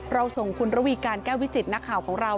ส่งคุณระวีการแก้ววิจิตนักข่าวของเรา